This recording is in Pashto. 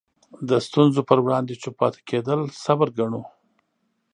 د ستونزو په وړاندې چوپ پاتې کېدل صبر ګڼو.